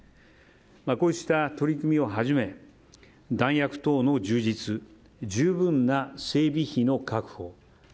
こうした取り組みをはじめ弾薬等の充実十分な整備費の確保。